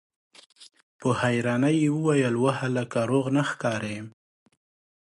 په حيرانۍ يې وويل: وه هلکه! روغ نه ښکارې!